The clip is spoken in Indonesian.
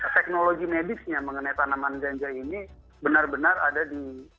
teknologi medisnya mengenai tanaman ganja ini benar benar ada di